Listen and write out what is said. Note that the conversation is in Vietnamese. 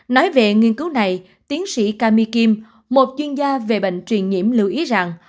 nói về nghiên cứu này tiến sĩ kami kim một chuyên gia về bệnh truyền nhiễm lưu ý rằng